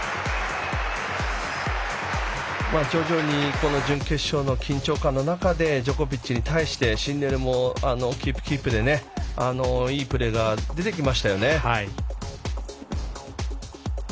徐々に準決勝の緊張感の中でジョコビッチに対してシンネルもキープ、キープでいいプレーが出てきましたよね。